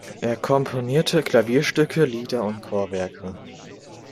Er komponierte Klavierstücke, Lieder und Chorwerke.